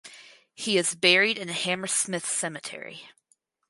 He is buried in Hammersmith Cemetery.